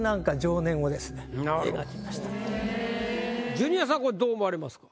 ジュニアさんこれどう思われますか？